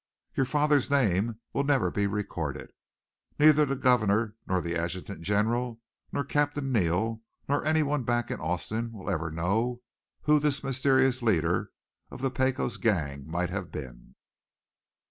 Your father's name will never be recorded. Neither the Governor, nor the adjutant general, nor Captain Neal, nor any one back Austin way will ever know who this mysterious leader of the Pecos gang might have been.